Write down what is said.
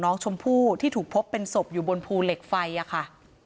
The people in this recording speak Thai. น้องชมพู่ที่ถูกพบเป็นศพอยู่บนภูเหล็กไฟค่ะ